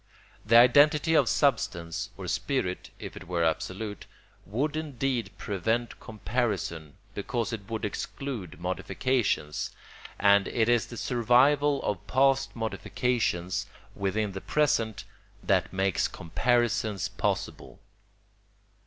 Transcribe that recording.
The identity of substance or spirit, if it were absolute, would indeed prevent comparison, because it would exclude modifications, and it is the survival of past modifications within the present that makes comparisons possible.